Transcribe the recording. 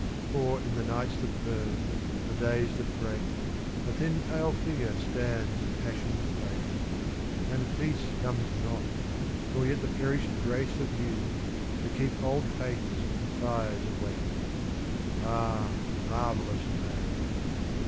For in the nights that burn, the days that break, A thin pale figure stands in Passion's place, And peace comes not, nor yet the perished grace Of youth, to keep old faiths and fires awake. Ah! marvellous maid.